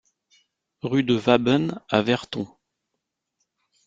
Rue de Waben à Verton